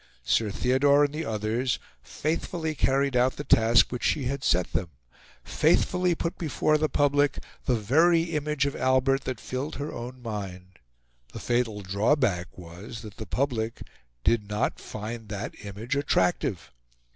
Sir Theodore and the others faithfully carried out the task which she had set them faithfully put before the public the very image of Albert that filled her own mind. The fatal drawback was that the public did not find that image attractive.